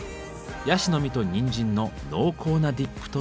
ヤシの実とにんじんの濃厚なディップとともに。